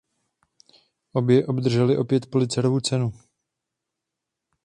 Obě obdržely opět Pulitzerovu cenu.